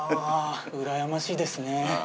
うらやましいですね。